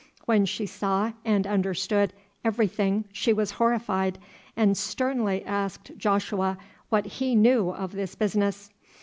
When she saw and understood everything she was horrified, and sternly asked Joshua what he knew of this business.